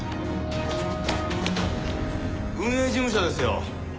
運営事務所ですよ。